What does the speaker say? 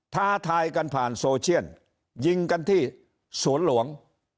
ท้าทายกันผ่านโซเชียลยิงกันที่สวนหลวง